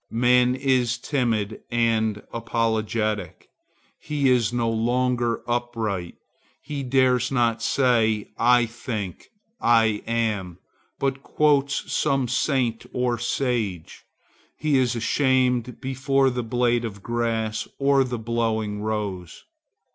Man is timid and apologetic; he is no longer upright; he dares not say 'I think,' 'I am,' but quotes some saint or sage. He is ashamed before the blade of grass or the blowing rose.